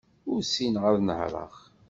Ur ssineɣ ad nehreɣ.